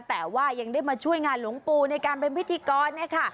แต่ว่ายังได้มาช่วยงานหลวงปูในการเป็นพิธีกร